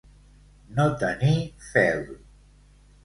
No tenir fel.